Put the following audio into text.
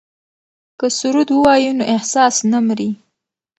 که سرود ووایو نو احساس نه مري.